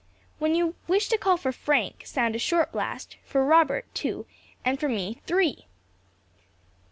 When you wish to call for Frank, sound a short blast, for Robert two, and for me three.